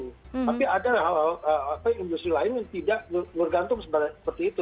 tapi ada industri lain yang tidak bergantung seperti itu